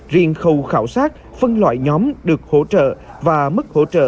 riêng khâu khảo sát phân loại nhóm được hỗ trợ và mức hỗ trợ